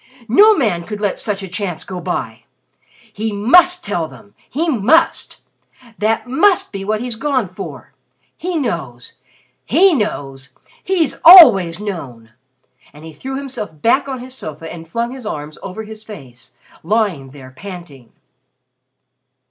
"No man could let such a chance go by! He must tell them he must. That must be what he's gone for. He knows he knows he's always known!" And he threw himself back on his sofa and flung his arms over his face, lying there panting.